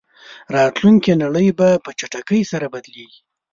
راتلونکې نړۍ به په چټکۍ سره بدلېږي.